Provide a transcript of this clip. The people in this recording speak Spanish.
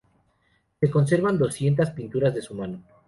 Se conservan doscientas pinturas de su mano.